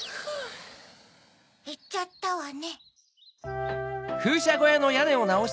いっちゃったわね。